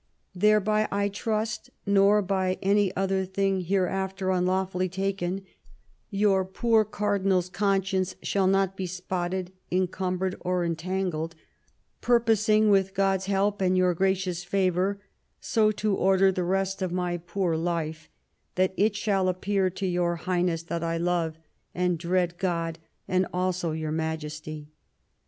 "Thereby I trust, nor by any other thing hereafter unlawfully taken, your poor cardinal's conscience shall not be spotted, encumbered, or entangled; purposing, with God's help and your gracious favour, so to order the rest of my poor life that it shall appear to your Highness that I love and dread IX THE KING'S DIVORCE 169 God and also your Majesty."